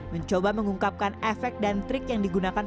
mencoba mengungkapkan efek dan trik yang digunakan